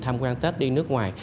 tham quan tết đi nước ngoài